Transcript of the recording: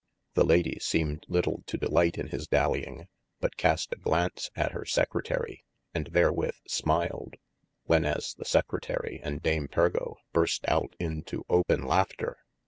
The Ladye seemed litle to delight in his dallying, but cast a glance at hir Secretarie, & therewith smiled, when as the Secretarie and Dame Pergo burst out into open laughter.